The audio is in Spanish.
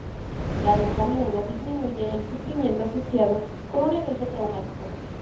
La risa a menudo disminuye el sufrimiento asociado con un evento traumático.